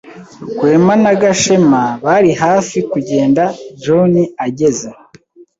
Rwema na Gashema bari hafi kugenda John ageze.